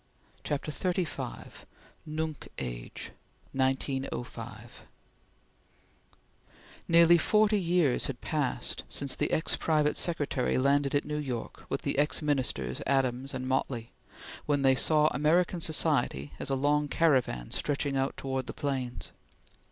CHAPTER XXXV NUNC AGE (1905) NEARLY forty years had passed since the ex private secretary landed at New York with the ex Ministers Adams and Motley, when they saw American society as a long caravan stretching out towards the plains.